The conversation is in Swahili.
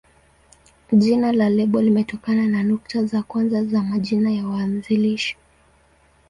Jina la lebo limetokana na nukta za kwanza za majina ya waanzilishi.